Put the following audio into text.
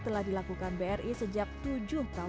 telah dilakukan bri sejak tujuh tahun